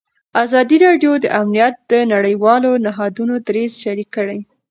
ازادي راډیو د امنیت د نړیوالو نهادونو دریځ شریک کړی.